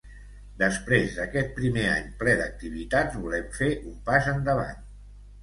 Després d’aquest primer any ple d’activitats volem fer un pas endavant.